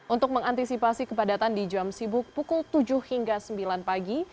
untuk mengantisipasi kepadatan di jam sibuk pukul tujuh hingga sembilan pagi